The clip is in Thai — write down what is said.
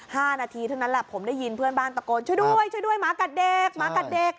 ห้านาทีเท่านั้นแหละผมได้ยินเพื่อนบ้านตะโกนช่วยด้วยช่วยด้วยหมากัดเด็กหมากัดเด็ก